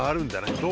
どう？